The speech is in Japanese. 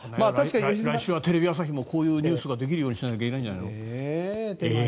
来週はテレビ朝日でもこういうニュースができるようにしないといけないんじゃないの？